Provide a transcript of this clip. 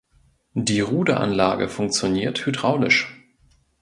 Die Ruderanlage funktioniert hydraulisch.